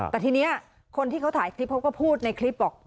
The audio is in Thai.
แต่ทีนี้คนที่เขาถ่ายคลิปเขาก็พูดในคลิปบอก